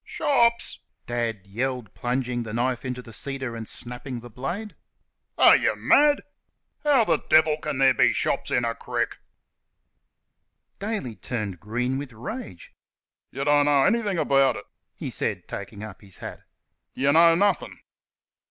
"Shops!" Dad yelled, plunging the knife into the cedar and snapping the blade, "are y' mad? How th' devil can there be shops in a crick?" Daly turned green with rage. "Yer don't know ennerthin' about it," he said, taking up his hat, "yer know nothing!"